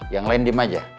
yang lain di maja